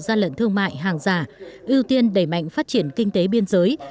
gian lận thương mại hàng giả ưu tiên đẩy mạnh phát triển kinh tế biên giới